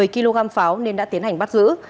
một mươi kg pháo nên đã tiến hành bắt giữ